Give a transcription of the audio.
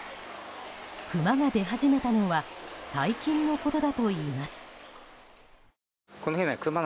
クマが出始めたのは最近のことだといいます。